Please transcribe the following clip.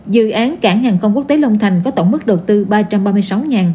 dự án cảng hàng không quốc tế long thành có tổng mức đồng hành